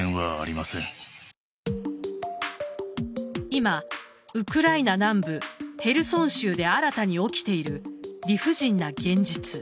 今、ウクライナ南部ヘルソン州で新たに起きている理不尽な現実。